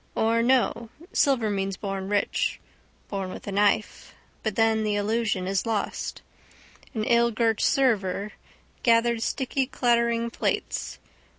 Or no. Silver means born rich. Born with a knife. But then the allusion is lost. An illgirt server gathered sticky clattering plates.